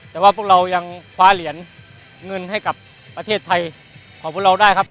แต่ว่าพวกเรายังคว้าเหรียญเงินให้กับประเทศไทยขอบคุณเราได้ครับ